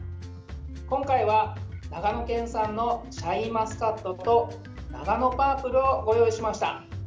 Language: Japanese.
今回は、長野県産のシャインマスカットとナガノパープルをご用意しました。